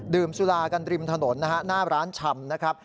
สุรากันริมถนนนะฮะหน้าร้านชำนะครับ